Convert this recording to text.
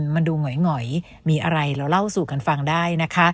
มันดูหงอยมีอะไรเราเล่าสู่กันฟังได้นะคะ